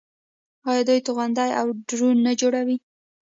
آیا دوی توغندي او ډرون نه جوړوي؟